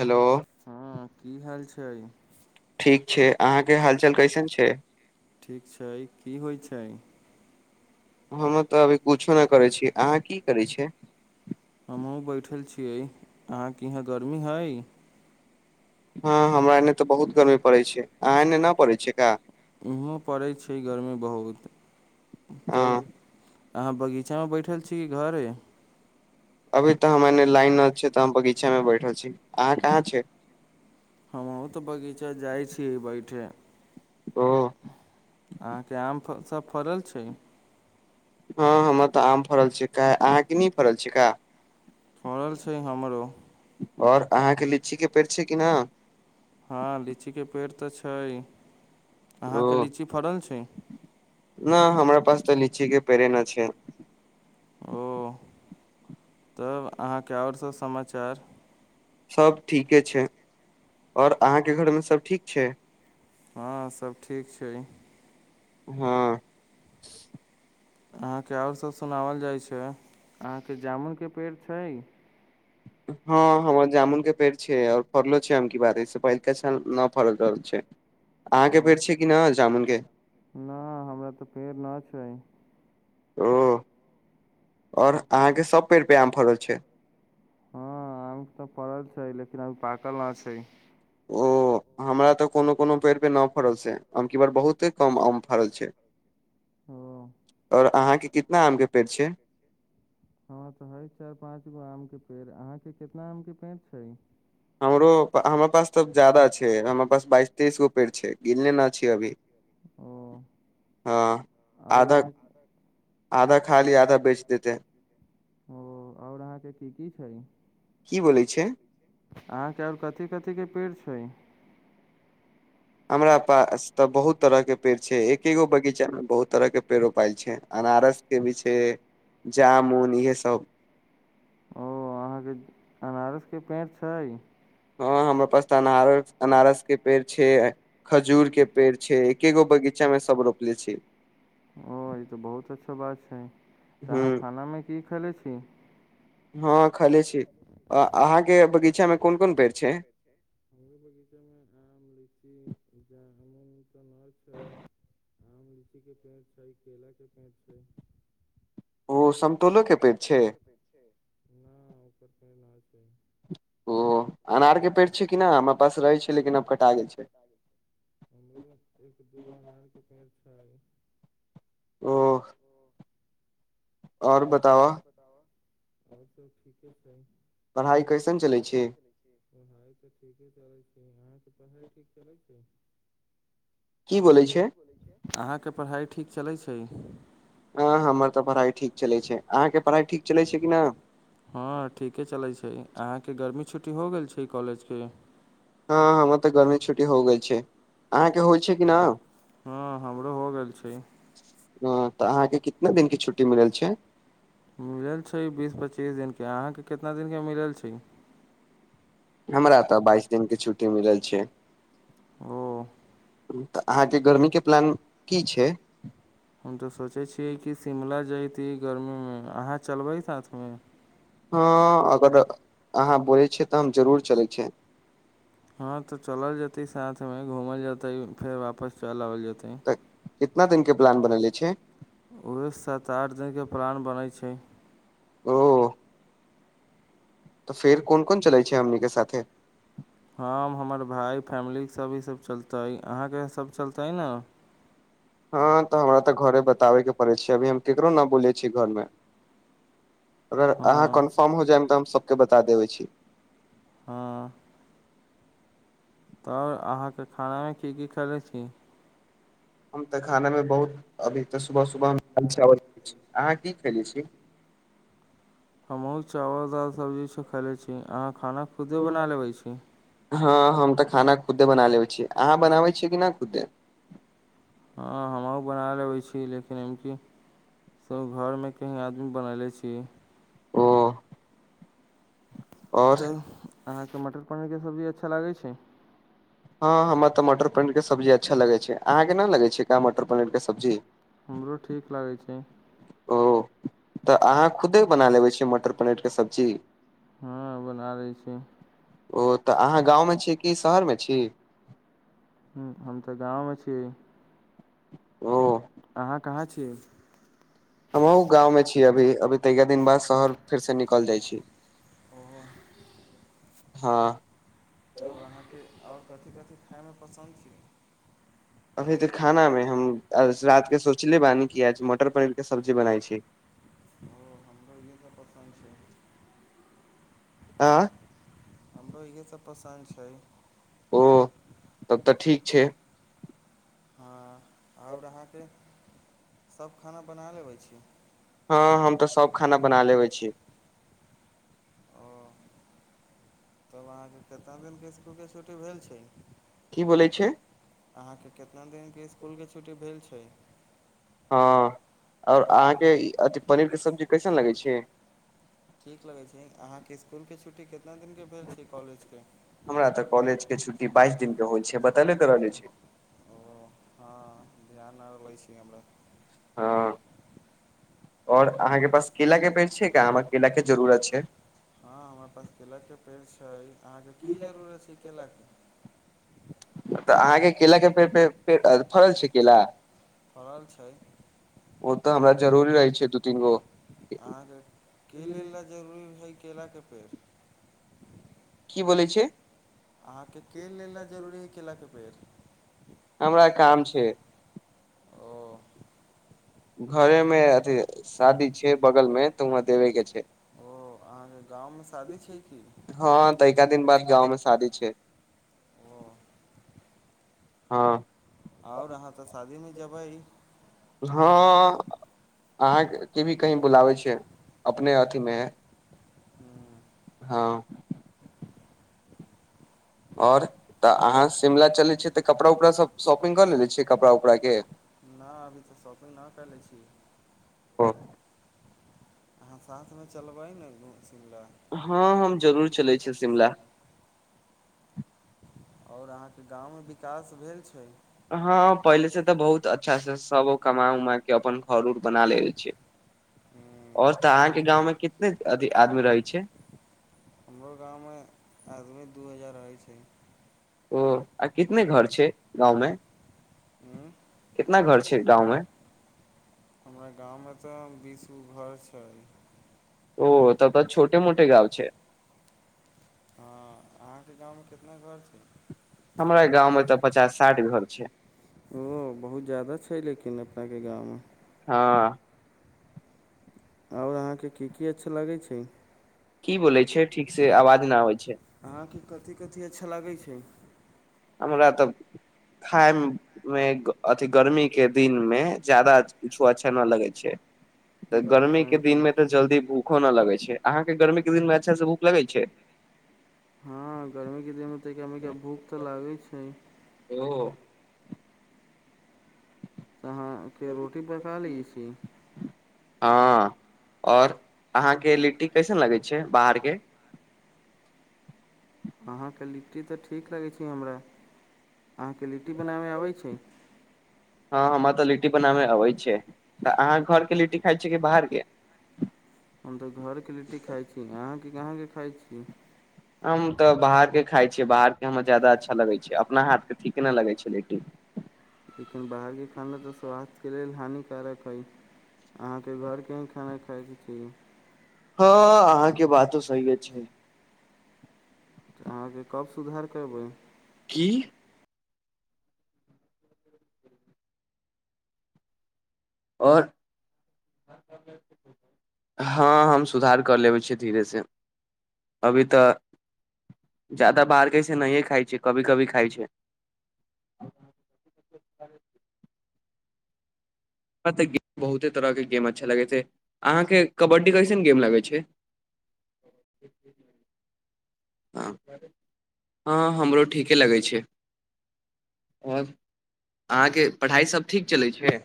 Hello हँ की हाल छै ख ठीक छै अहाँके हालचाल कैसन छै ठीक छै की होइ छै हम तऽ अभी किछो नहि करै छी अहाँ की करै छिय हमहूँ बैठल छियै अहाँके इहाँ गर्मी हइ हँ हमरा एन्ने तऽ बहुत गर्मी पड़ैत छै अहाँ एन्ने नहि पड़ैत छियै का इहोँ पड़ै छै गर्मी बहुत हँ तब अहाँ बगीचामे बैठल छी घरे अभी तऽ हम एने लाइन नहि छै तऽ हम बगीचामे बैठल छी अहाँ कहाँ छ हमहुँ तऽ बगीचा जाइ छी बैठे ह अहाँके आम फ सभ फड़ल छै हँ हमरा तऽ आम फड़ल छिकै अहाँके नहि फड़ल छिकै होरल छै हमरो आओर अहाँके लीचीके पेड़ छै कि नहि हँ लीचीके पेड़ तऽ छै ओ अहाँके लीची फड़ल छै न हमरा पास तऽ लीची के पेड़े न छै ओ तब अहाँके आओर सभ समाचार सभ ठीके छै आओर अहाँके घरमे सभ ठीक छै हँ सभ ठीक छै हँ अहाँके आओर सभ सुनाओल जाइत छै अहाँके जामुनके पेड़ छै हँ हमरा जामुनके पेड़ छै आओर फड़लो छै एमकी बाल एहि से पहिलुका साल नहि फड़ल रहल छै ओ अहाँके पेड़ छै कि नहि जामुनके नहि हमरा तऽ पेड़ नहि छै ओ आओर अहाँके सभ पेड़ पे आम फड़ल छै हँ आम तऽ फड़ल छै लेकिन अभी पाकल नहि छै ओ हमरा तऽ कोनो कोनो पेड़ पर न फड़ै छै एमकी बार बहुते कम आम फड़ल छै ह आर अहाँके कितना आम के पेड़ छै हँ तऽ हय चारि पाँच गो आम के पेड़ अहाँके कितना आम के पेड़ छै हमरो हमरा पास तऽ ज्यादा छै हमरा पास बाइस तेइस गो पेड़ छै गिनने न छिये अभी ओ हँ आओर आधा अहाँ आधा खा लिए आधा बेच देते ओ आओर अहाँके की की खेबै की बोलै छै अहाँके आओर कथी कथी के पेड़ छै हमरा पास तऽ बहुत तरहके पेड़ छै एकै गो बगीचामे बहुत तरहके पेड़ रोपाइल छै अनारसके भी छै जामुन इएह सभ ओ अहाँके अनारस के पेड़ छै हँ हमरा पास तऽ अनारस अनारसके पेड़ छै खजूरके पेड़ छै एके गो बगीचामे सभ रोपले छी ओ ई तऽ बहुत अच्छा बात छै तऽ अहाँ ह खानामे की खयले छी खैलेछी आ अहाँके बगी बगीचा मे कोन कोन पेड़ छै हमरा बगीचा मे आम लीची उजा न छै [inaudible] आम लीची के पेड़ छै केला के पेड़ छै ओ समतोलो ओ के पेड़ छै कटहल [inaudible] ओ अनार के पेड़ छै कि नहि हमरा पास रहै छै लेकिन आब कटा गेल छै गो [inaudible] ओ आओर बताव आओर तऽ ठीके छै पढ़ाइ कैसन चलै छै पढ़ाइ तऽ ठीके चलैत छै अहाँके पढ़ाइ ठीक चलैत छै की बोलै छै अहाँके पढ़ाइ ठीक चलैत छै हँ ह हमर तऽ भरा हइ ठीक चलै छै अहाँके पढ़ाइ ठीक चलै छै कि न हँ ठीके चलै छै अहाँके गर्मी छुटी छुट्टी हो गेल छै ई कॉलेज के हँ हमर तऽ गर्मी छुट्टी हो गेल छै अहाँके होइ छै कि नहि हँ हमरो हो गेल छै हँ तऽ अहाँके कितना दिनके छुट्टी मिलल छै मिलल छै बीस पच्चीस दिन कि अहाँके कितना दिनके मिलल छै हमरा तऽ बाइस दिनके छुट्टी मिलल छै ओ तऽ अहाँके गर्मी के प्लान की छै। यी गर्मी मे अहाँ चलबै सा साथ मे हँ अगर अहाँ बोलै छियै तऽ हम जरूर चलै छिय हँ तऽ चलल जेतै साथ मे घूमल जेतै फेराप फ चल तऽ कितना दिन के प्लान बनेले छै उह सात आठ दिनके प्लान बनै छै ओ तऽ फेर कोन कोन चलै छै हमनीक के साथे हमँ हमर भाय फैमिली सभ इसभ चलतै अहाँके सभ चलतै ने हँ तऽ हमरा तऽ घरे बताबयके पड़ै छै अभी हम ककरो नहि बोलै छी घरमे अगर अहाँ हँ कन्फर्म हो जायब तऽ हम के बता देबै छी हँ तऽ अहाँके खानामे की की करै छी हम तऽ खानामे बहुत अभी तऽ सुबह सुबहमे चावल छी अहाँ की खयलै छी हममहु चावल द सब्जी खले छी अहाँ खाना खुदे बना लेबे छी हँ हम तऽ खाना खुदे बना लेबै छीियै अहाँ बनाबै छियै कि नहि खुदे हँ हम बना लेबै छी लेकिन कि सभ घरमे कहीँ आदमी बनयले छी ओ ओ और तऽ अहाँके तऽ मटर पनीरके सब्जी अच्छा लागै छै हँ हमरा तऽ मटर पनीरके सब्जी अच्छा लगै छै अहाँके नहि लगै छै कहाँ मटर पनीरके सब्जी हमरो ठीक लागै छै ओ तऽ अहाँ खुदे बना ले छियै मटर पनीर के सब्जी हँ बना लै छी ओ तऽ अहाँ गाँवमे छी कि शहरमे छी ह हम तऽ गाँवमे छीियै ओ अहाँ कहाँ छियै हमहुँ गाममे छियै। अभी-अभी तऽ एका दिन बाद शहर। फेरसँ निकल जाइ छी हँ तब अहाँके आउ कथी कथी खाइमे पसन्द छी अभी तऽ खानामे हम रातिकेँ सोचले बानी कि आज मटर पनीरके सब्जी बनाै छी ओ हमराो इह त पसन्द छै आ हमराो इ पसन्द छै ओ तब तऽ ठीक छै हँ आओर अहाँके सभ खाना बना लेबै छी हँ हम तऽ सभ खाना बना लेबै छी ओ तब अहाँके कतना दिनके इकुलके छुट्टी भेल छै की बोलै छै अहाँके कितना दिन के इसकुलके छुट्टी भेल छै हँ आओर अहाँके अथि पनीरके सब्जी कैसन लगै छै ठीक लगै छै अहाँके इसकुल के छुट्टी कत हमरा तऽ कॉलेज के छुट्टी बाइस दििन के होल छै बतले त रहले छी ओ हँ ान ने ईश ओर अहाँके छै हँ हमरा पास केरेलाके पेड़ छै अहाँके की जरूरत छै केरेलाके तऽ अहाँके केलाक के पेड़ फरल छै केला फड़ल छै ओ तऽ हमरा जरूरी रहै छै दू तीन गो अहाँके के लेल लए जरूरी हइ केलाके पेड़ की ब छै अहाँके केेल लेल ल जरूरी है केलाके बेर हमरा काम छै ओ घरे मे अथी शादी छै बगल मे तऽ वहं देबे के छै ओ अहाँके गाँवमे शादी छै की हँ तऽ एका दिन बाद गाँवमे शादी छै ओ हँ आओउ, अहाँ तऽ शादीमे जबैइ। हँ अहाँके के भी कही बुलाबै छै अपने अ तिमे हूँ, हँ और तऽ अहाँ तब शिमला नहि चले छियै त कपड़ा उपड़ा सब शॉपिंग क लेले छैये कपड़ा उपड़ा के [unintelligible] अहाँ साथ मे चलबै [unintelligible] हँ हम जरूर चलै छी शिमला। अहाँके गांव मे विकास भेल छैय। हँ पहिले सँ तऽ बहुत अच्छा सँ सब कमा उमा कऽ अपन घर उर बना लेने छै आओर तऽ अहाँक गाम मे कतेक आदमी रहै छै [unintelligible] ओ आ कितने घर छैय गांवमे? गाँव मे [unintelligible] [unintelligible] ओ तब तऽ छोटे मिटे गाँव छैय। [unintelligible] हमरा गांव मे तऽ पचास साठि घर छै ओ बहुत ज्यादा छै [unintelligible] हाँ आओर अहाँक की की अच्छा लगैत छैय? की बोलय छियै ठीकसे आवाज न आवै अहाँके कथि कथि अच्छा लागै छैय? हमरा तऽ खाय मे अथी गर्मीके दिनमे ज्यादा कुछु अच्छा नै लगैत छैय। तऽ बात गर्मी के सही छै दिन में तऽ जल्दी भूखो न लगै छैय। आँहांके गर्मी के दिन मे अच्छासे भूख लगै छैय? हँ गर्मी के दिनमे तऽ कनिका मनिका भूख तऽ लागै छैय। [unintelligible] ओ आँहाँके रोटी पका लैत छी? हँ आओर अहाँक लिट्टी कैसन लगै छैय बाहर के? अहाँके लिट्टी तऽ ठीक लगै छैय हमरा। अहाँके लिट्टी बनावे आबै छैय? ऽ लिट्टी बनाबे अबै छैय तऽ अहाँ घर के लिट्टी खाइ छियै कि बाहर के? हम तऽ घरके लिट्टी खाइ छी अहाँके कहाँके खाइ छी? हम तऽ बाहरके खाइ छियै बाहरके हमरा ज्यादा अच्छा लगै छैय अपना हाथके ठीक नहि लगै छैय लिट्टी। लेकिन बाहर के खाना तऽ स्वास्थ्य के लिए हानिक [unintelligible] अहाँके घर के खाना खायके चा हँ अहाँके बातो सहिए छैय। तऽ अहाँके कब सुधार करबै? कि आओर हँ, हम सुधार कऽ लेबै धीरे-धीरे। अभी तऽ जादा बाहरकऽ नहिए खाइ छी, कहियो-कहियो खाइ छी। अहाँके बहुते तरहक गेम अच्छा लगै छै? कबड्डीक सन गेम लगै छै? हँ, हमरो ठीके लगै छै। अहाँक पढ़ाइ सभ ठीक चलै छै?